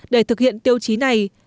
để thực hiện tiêu chí này